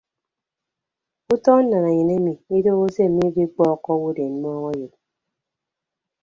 Utọ nnananyen emi idoho se mmikpikpọọkọ owodeen mmọọñ eyod.